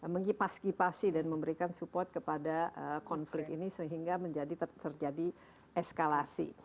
mengipas kipasi dan memberikan support kepada konflik ini sehingga menjadi terjadi eskalasi